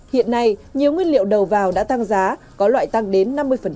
hiện nay nhiều nguyên liệu đầu vào đã tăng giá có loại tăng đến năm mươi